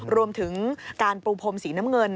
รวมถึงการปูพรมสีน้ำเงิน